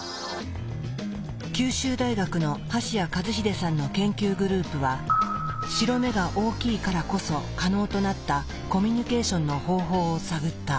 九州大学の橋彌和秀さんの研究グループは白目が大きいからこそ可能となったコミュニケーションの方法を探った。